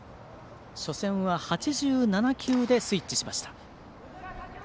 初戦は８７球でスイッチしました。